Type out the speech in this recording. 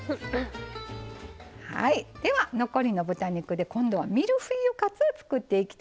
はいでは残りの豚肉で今度はミルフィーユカツを作っていきたいと思います。